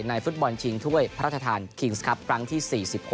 ในฟุตบอลชิงด้วยพระทธาณคิงส์ครับครั้งที่สี่สิบหก